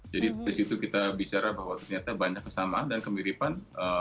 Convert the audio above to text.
jadi dari situ kita bicara bahwa ternyata banyak kesamaan dan kemiripan